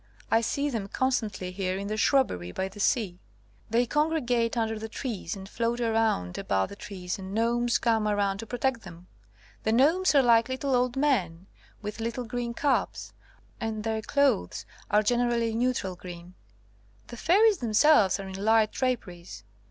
I see them constantly here in the shrubbery by the sea. They congregate under the trees and float around about the trees, and gnomes come around to protect them. The gnomes are like little old men, with little green caps, and their clothes are generally neutral green. The fairies themselves are in light draperies.